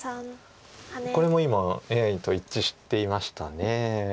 これも今ＡＩと一致していました。